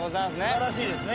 すばらしいですね。